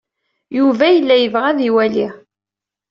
Yuba yella yebɣa ad iwali.